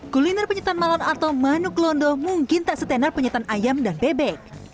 kuliner penyetan malon atau manuk londo mungkin tak setenar penyetan ayam dan bebek